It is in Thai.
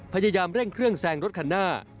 พยายามเร่งเครื่องแซงรถคันหน้า